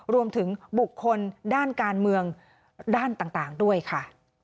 รวมถึงบุคคลด้านการเมืองด้านต่างด้วยค่ะ